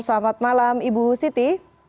selamat malam ibu siti